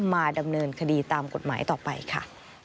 มาดำเนินคดีตามกฎหมายต่อไปค่ะ